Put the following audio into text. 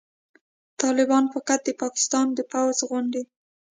طالبان فقط د پاکستان د پوځ غوندې